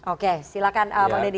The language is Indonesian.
oke silakan bang deddy